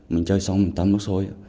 mình chơi xong mình tắm nước sôi